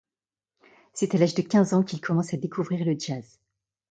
C’est à l’âge de quinze ans qu’il commence à découvrir le jazz.